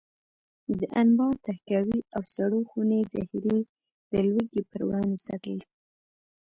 د انبار، تحکاوي او سړو خونې ذخیرې د لوږې پر وړاندې ساتل.